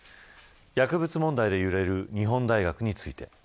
薬物問題で揺れる日本大学について。